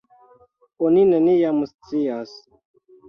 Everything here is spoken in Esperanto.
Oni neniam scias!